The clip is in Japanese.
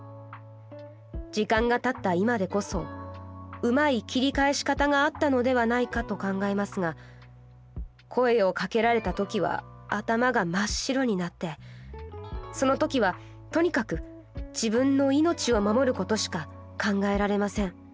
時間が経った今でこそうまい切り返し方があったのではないかと考えますが声をかけられた時は頭が真っ白になってその時はとにかく自分の命を守ることしか考えられません。